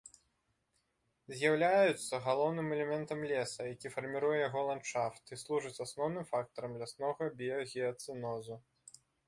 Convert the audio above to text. З'яўляюцца галоўным элементам леса, які фарміруе яго ландшафт, і служаць асноўным фактарам ляснога біягеацэнозу.